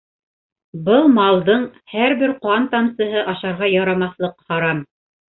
Был малдың һәр бер ҡан тамсыһы ашарға ярамаҫлыҡ харам.